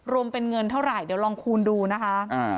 รวมเป็นเงินเท่าไหร่เดี๋ยวลองคูณดูนะคะ